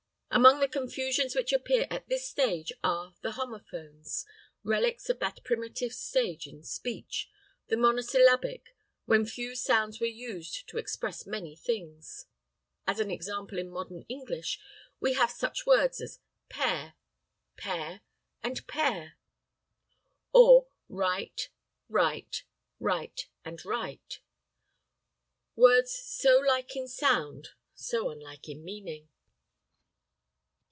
Among the confusions which appear at this stage are the homophones; relics of that primitive stage in speech, the monosyllabic, when few sounds were used to express many things. As an example in modern English, we have such words as pair, pare and pear; or rite, write, right and wright; words so like in sound, so unlike in meaning.